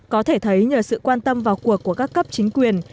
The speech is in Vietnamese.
có thể thấy nhờ sự quan tâm vào cuộc của các cấp chính quyền